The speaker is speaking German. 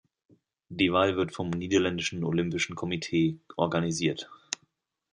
Die Wahl wird vom niederländischen Olympischen Komitee organisiert.